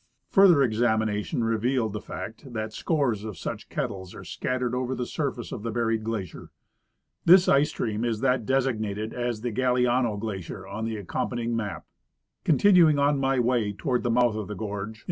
Further examination revealed the fact tliat scores of such kettles are scattered over the surface of the l:)uried glacier. This ice stream is that designated the Galiano glacier on the ac companying map. Continuing on my way toward the mouth of the gorge in the 90